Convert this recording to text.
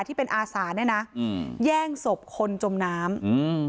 ที่เป็นอาสาเนี้ยนะอืมแย่งศพคนจมน้ำอืม